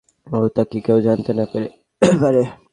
ও কী তা কেউ যেন জানতে না পারে।